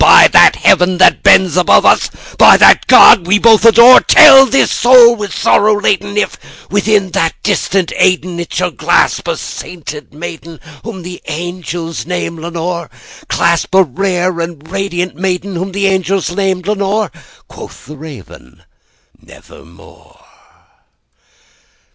By that Heaven that bends above us, by that God we both adore, Tell this soul with sorrow laden if, within the distant Aidenn, It shall clasp a sainted maiden whom the angels name Lenore:Clasp a rare and radiant maiden whom the angels name Lenore!"Quoth the Raven, "Nevermore."